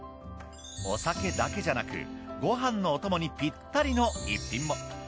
お酒だけじゃなくごはんのお供にぴったりの逸品も。